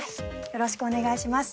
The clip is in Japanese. よろしくお願いします。